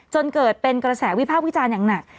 จนเกิดเป็นกระแสวิพากษ์วิจารณ์อย่างหนัก